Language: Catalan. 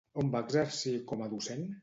On va exercir com a docent?